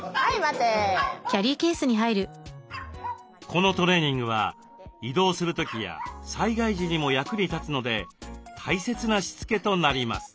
このトレーニングは移動する時や災害時にも役に立つので大切なしつけとなります。